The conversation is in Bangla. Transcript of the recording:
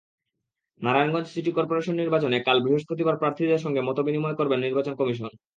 নারায়ণগঞ্জ সিটি করপোরেশন নির্বাচনে কাল বৃহস্পতিবার প্রার্থীদের সঙ্গে মতবিনিময় করবেন নির্বাচন কমিশন।